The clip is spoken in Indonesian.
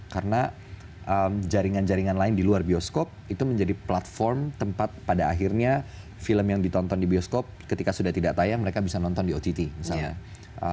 karena jaringan jaringan lain di luar bioskop itu menjadi platform tempat pada akhirnya film yang ditonton di bioskop ketika sudah tidak tayang mereka bisa nonton di ott misalnya